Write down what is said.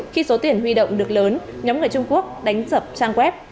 khi số tiền huy động được lớn nhóm người trung quốc đánh sập trang web